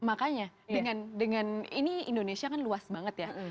makanya dengan ini indonesia kan luas banget ya